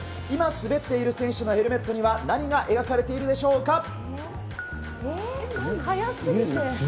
今滑っている選手のヘルメットには、何が描かれているでしょうか。